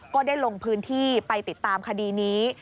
ก็ได้ลงพื้นที่ไปติดตามคดีนี้